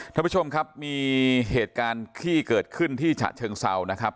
ท่านผู้ชมครับมีเหตุการณ์ที่เกิดขึ้นที่ฉะเชิงเศร้านะครับ